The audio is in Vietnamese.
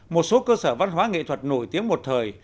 một số cơ sở văn hóa nghệ thuật nổi tiếng một thời